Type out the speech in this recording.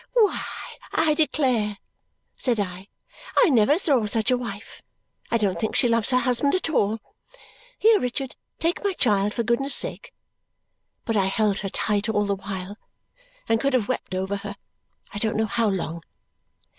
"Why, I declare," said I, "I never saw such a wife. I don't think she loves her husband at all. Here, Richard, take my child, for goodness' sake." But I held her tight all the while, and could have wept over her I don't know how long.